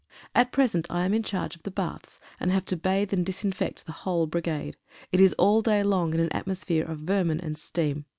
At present I am in charge of the baths, and have to bathe and disinfect the whole brigade. It is all day long in an atmosphere of vermin and steam.